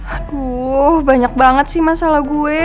aduh banyak banget sih masalah gue